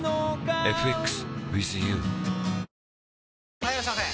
・はいいらっしゃいませ！